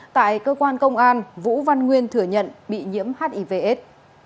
tại cơ quan công an vũ văn nguyên thừa nhận bị nhiễm hivs